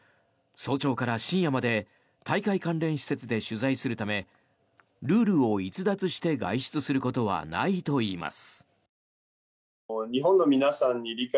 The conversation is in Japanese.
早朝から深夜まで大会関連施設で取材するためルールを逸脱して外出することはないといいます。